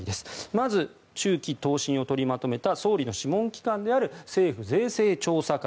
まず中期答申を取りまとめた総理の諮問機関である政府税制調査会